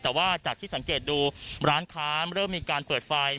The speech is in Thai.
แต่ว่าจากที่สังเกตดูร้านค้าเริ่มมีการเปิดไฟ